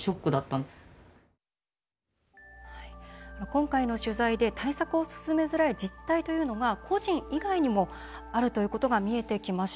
今回の取材で対策を進めづらい実態というのは個人以外にもあるということが見えてきました。